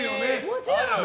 もちろん！